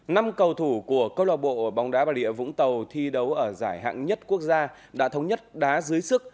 năm cầu thủ của công an tỉnh bà địa vũng tàu thi đấu ở giải hạng nhất quốc gia đã thống nhất đá dưới sức